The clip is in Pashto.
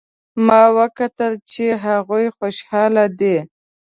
ما وکتل چې هغوی خوشحاله دي